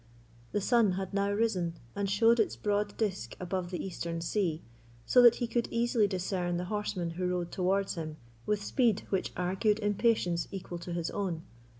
The sun had now risen, and showed its broad disk above the eastern sea, so that he could easily discern the horseman who rode towards him with speed which argued impatience equal to his own.